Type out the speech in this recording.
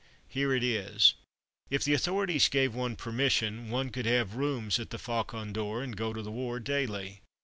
Here it is: If the authorities gave one permission, one could have rooms at the Faucon d'Or and go to the war daily.